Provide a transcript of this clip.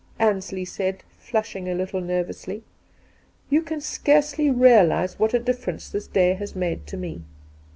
Ansley said, flushing a little nervously. ' You can scarcely realize what a diflferenee this day has made to me.